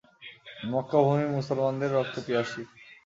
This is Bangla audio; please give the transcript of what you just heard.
মক্কাভূমি মুসলমানদের রক্ত পিয়াসী।